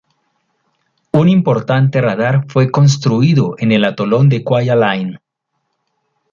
Un importante radar fue construido en el atolón de Kwajalein.